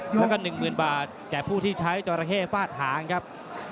แล้วก็๑๐๐๐บาทแก่ผู้ที่ใช้จราเข้ฟาดหางครับ